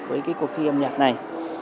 với cuộc thi âm nhạc này